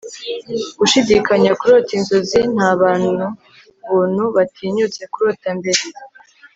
gushidikanya, kurota inzozi nta bantu buntu batinyutse kurota mbere